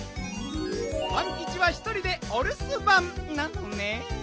パンキチはひとりでおるすばんなのねん。